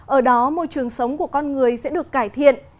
ở đó môi trường sống của con người sẽ được cải thiện